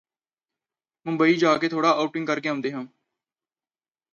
ਮੁੰਬਈ ਜਾਕੇ ਥੋੜ੍ਹਾ ਆਊਟਿੰਗ ਕਰਕੇ ਆਉਂਦੇ ਹਾਂ